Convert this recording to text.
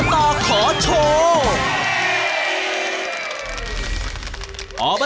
อตขอโชว์